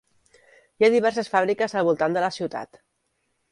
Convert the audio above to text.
Hi ha diverses fàbriques al voltant de la ciutat.